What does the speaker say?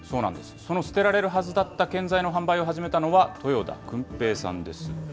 その捨てられるはずだった建材の販売を始めたのは、豊田訓平さんです。